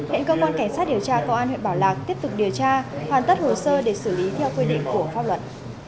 hãy cơ quan kiểm soát điều tra công an huyện bảo lạc tiếp tục điều tra hoàn tất hồ sơ để xử lý theo quy định của pháp luật